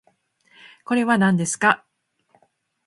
これはなんですか？